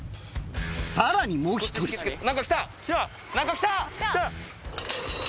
さらにもう１人。来た。